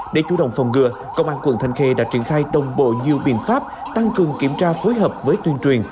để chủ động phòng ngừa công an quận thanh khê đã triển khai đồng bộ nhiều biện pháp tăng cường kiểm tra phối hợp với tuyên truyền